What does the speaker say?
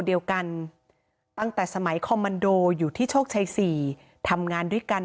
เดียวกันตั้งแต่สมัยคอมมันโดอยู่ที่โชคชัย๔ทำงานด้วยกัน